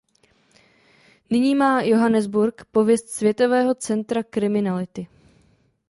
Nyní má Johannesburg pověst světového centra kriminality.